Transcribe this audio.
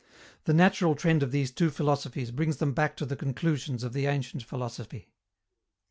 The natural trend of these two philosophies brings them back to the conclusions of the ancient philosophy.